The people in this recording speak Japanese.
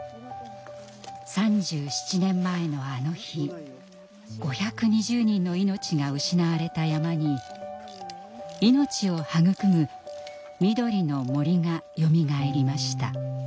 ３７年前のあの日５２０人の命が失われた山に命を育む緑の森がよみがえりました。